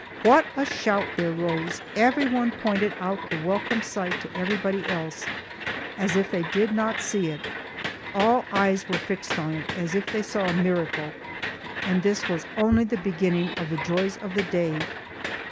What a shout there rose! Everyone pointed out the welcome sight to everybody else, as if they did not see it. All eyes were fixed on it as if they saw a miracle. And this was only the beginning of the joys of the day!